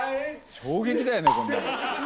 衝撃だよねこんなの。